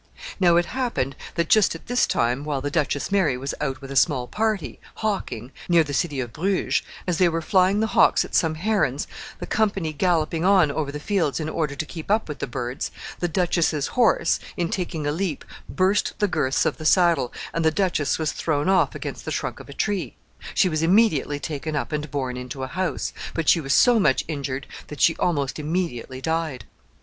Now it happened that just at this time, while the Duchess Mary was out with a small party, hawking, near the city of Bruges, as they were flying the hawks at some herons, the company galloping on over the fields in order to keep up with the birds, the duchess's horse, in taking a leap, burst the girths of the saddle, and the duchess was thrown off against the trunk of a tree. She was immediately taken up and borne into a house, but she was so much injured that she almost immediately died.